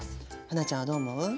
英ちゃんはどう思う？